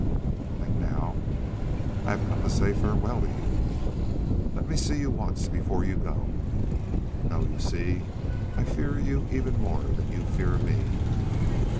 "And now?" "I have come to say farewell to you." "Let me see you once before you go." "No! You see, I fear you even more than you fear me."